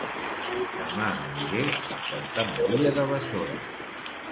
Dema aniré a Santa Maria de Besora